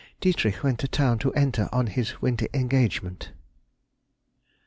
_—Dietrich went to town to enter on his winter engagement.